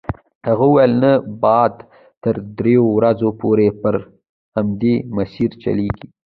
هغه وویل نه باد تر دریو ورځو پورې پر همدې مسیر چلیږي.